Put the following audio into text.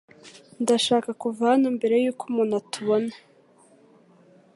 Ndashaka kuva hano mbere yuko umuntu atubona.